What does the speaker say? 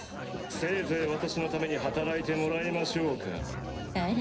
せいぜい私のために働いてもらいましょうあら？